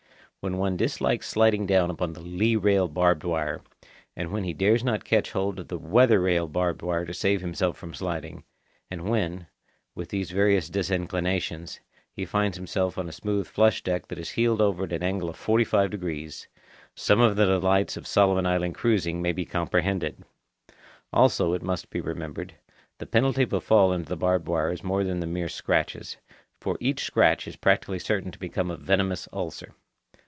When one dislikes sliding down upon the lee rail barbed wire, and when he dares not catch hold of the weather rail barbed wire to save himself from sliding, and when, with these various disinclinations, he finds himself on a smooth flush deck that is heeled over at an angle of forty five degrees, some of the delights of Solomon Islands cruising may be comprehended. Also, it must be remembered, the penalty of a fall into the barbed wire is more than the mere scratches, for each scratch is practically certain to become a venomous ulcer.